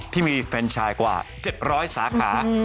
ที่มีแฟนชายกว่า๗๐๐สาขา